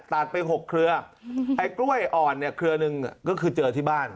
ตัดไป๖เครือไอ้กล้วยอ่อนเนี่ยเครือหนึ่งก็คือเจอที่บ้าน